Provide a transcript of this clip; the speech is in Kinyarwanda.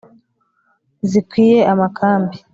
zikwiye amakambi,